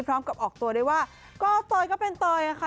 พร้อมกับออกตัวได้ว่าก็เตยก็เป็นเตยค่ะ